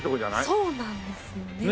そうなんですよね。